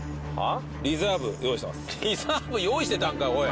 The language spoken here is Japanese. リザーブ用意してたんかい！